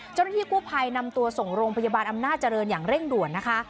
เจ้าหน้าที่กู้ภัยนำตัวส่งโรงพยาบาลอำนาจเจริญอย่างเร่งด่วนนะคะ